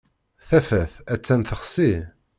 Tafat attan texsi.